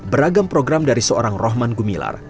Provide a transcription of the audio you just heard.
beragam program dari seorang rohman gumilar